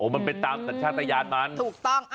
มันเป็นตามสัญชาติยานมันถูกต้อง